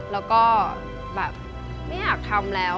แล้วก็แบบไม่อยากทำแล้ว